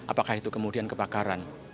apakah itu kemudian kebakaran